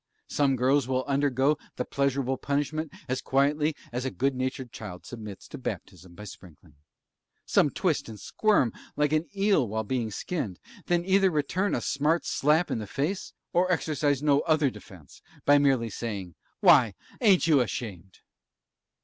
Some girls will undergo the pleasurable punishment as quietly as a good natured child submits to baptism by sprinkling some twist and squirm like an eel while being skinned, and either return a smart slap in the face, or exercise no other defence by merely saying "Why ain't you ashamed!"